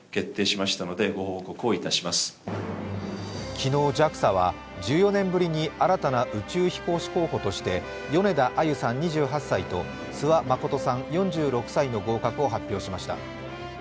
昨日、ＪＡＸＡは１４年ぶりに新たな宇宙飛行士候補として米田あゆさん２８歳と諏訪理さん４６歳の合格を発表しました。